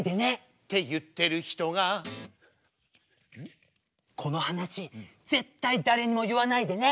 って言ってる人がこの話絶対誰にも言わないでね。